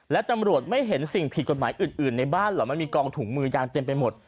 และตำรวจไม่เห็นสิ่งผิดกฎหมายอื่นในบ้านเหรอมันมีกองถุงมือยางเต็มไปหมด